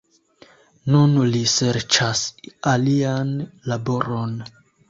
Nun li serĉas alian laboron.